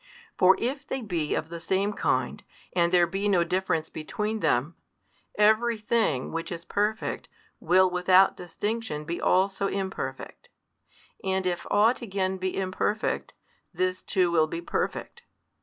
For if they be of the same kind, and there be no difference between them, every thing which is perfect will without |136 distinction be also imperfect: and if ought again be imperfect, this too will be perfect.